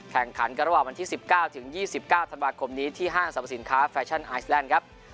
แข่งขันกันระหว่างวันที่๑๙ถึง๒๙ธันวาคมนี้ที่ห้างสรรพสินค้าแฟชั่นไอซแลนด์ครับ